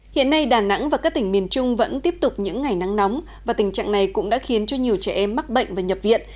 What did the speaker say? hiện nay đà nẵng và các tỉnh miền trung vẫn tiếp tục những ngày nắng nóng và tình trạng này cũng đã khiến cho nhiều trẻ em mắc bệnh và nhập viện